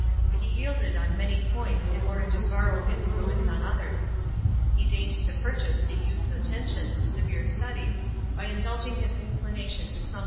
He yielded on many points in order to borro v influence on others. He deigned to pur chase the youth's attention to severe studies by indulging his incltna * His name in official style was : Nero I n.